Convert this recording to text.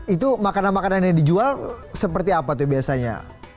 itu makanan makanan yang dijual seperti apa tuh biasanya